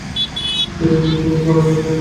সুযোগ দিলে তিনি বিস্ময় এবং আনন্দ নিয়ে দেখতেন।